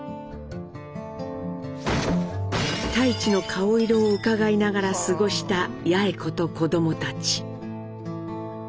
太市の顔色をうかがいながら過ごした八重子と子どもたち。